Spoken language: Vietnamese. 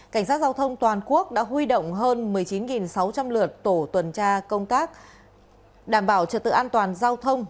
cảnh sát giao thông toàn quốc đã huy động hơn một mươi chín sáu trăm linh lượt tổ tuần tra công tác đảm bảo trật tự an toàn giao thông